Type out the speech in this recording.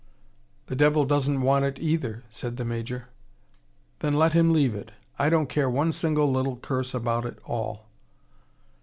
"The devil doesn't want it, either," said the Major. "Then let him leave it. I don't care one single little curse about it all."